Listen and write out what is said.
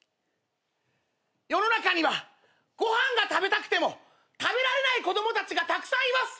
世の中にはご飯が食べたくても食べられない子供たちがたくさんいます。